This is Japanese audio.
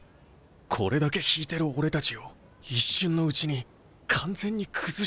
これだけ引いてる俺たちを一瞬のうちに完全に崩した。